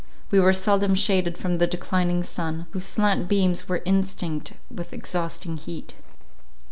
We were seldom shaded from the declining sun, whose slant beams were instinct with exhausting heat.